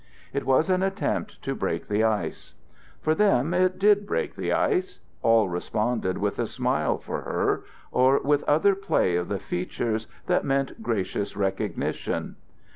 It was an attempt to break the ice. For them it did break the ice; all responded with a smile for her or with other play of the features that meant gracious recognition.